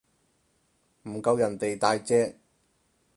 唔夠人哋大隻